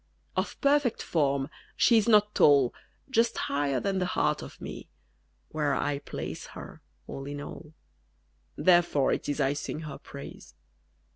_ Of perfect form, she is not tall, Just higher than the heart of me, Where'er I place her, all in all: _Therefore it is I sing her praise.